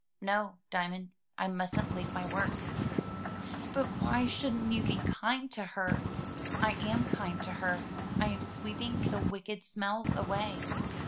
"No, Diamond; I mustn't leave my work." "But why shouldn't you be kind to her?" "I am kind to her; I am sweeping the wicked smells away."